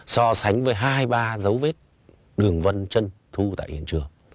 so sánh với hai ba dấu vết đường vân chân thu tại hiện trường